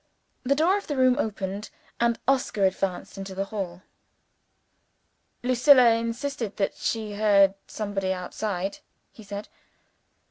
The door of the room opened; and Oscar advanced into the hall. "Lucilla insisted that she heard somebody outside," he said.